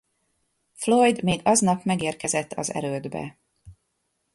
Floyd még aznap megérkezett az erődbe.